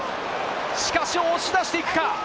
しかし押し出していくか？